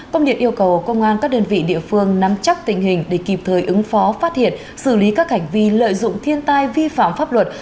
công điện yêu cầu công an các đơn vị địa phương nắm chắc tình hình để kịp thời ứng phó phát hiện xử lý các hành vi lợi dụng thiên tai vi phạm pháp luật